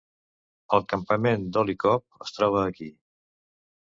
El campament Dolly Copp es troba aquí.